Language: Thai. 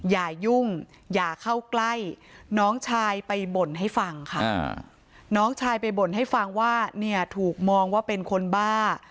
อย่ายุ่งอย่าเข้าใกล้น้องชายไปบ่นให้ฟังค่ะน้องชายไปบ่นให้ฟังว่าเนี่ยถูกมองว่าเป็นคนบ้า